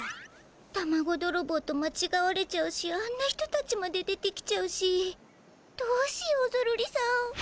タマゴどろぼうとまちがわれちゃうしあんな人たちまで出てきちゃうしどうしようゾロリさん。